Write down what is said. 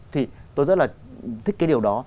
thì tôi rất là thích cái điều đó